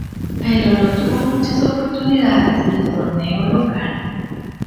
Pero no tuvo muchas oportunidades en el torneo local.